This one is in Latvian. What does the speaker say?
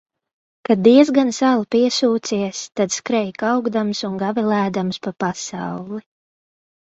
Kad diezgan sala piesūcies, tad skrej kaukdams un gavilēdams pa pasauli.